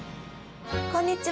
こんにちは！